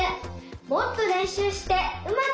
もっとれんしゅうしてうまくなりたい！